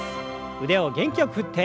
腕を元気よく振って。